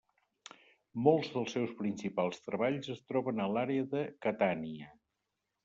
Molts dels seus principals treballs es troben a l'àrea de Catània.